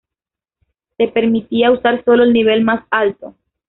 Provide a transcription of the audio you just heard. Se permitía usar sólo el nivel más alto.